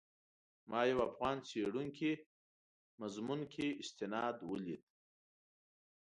ما یو افغان څېړونکي مضمون کې استناد ولید.